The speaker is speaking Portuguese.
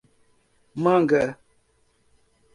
Manga